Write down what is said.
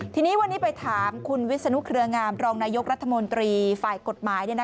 ทีนี้วันนี้ไปถามคุณวิศนุเครืองามรองนายกรัฐมนตรีฝ่ายกฎหมาย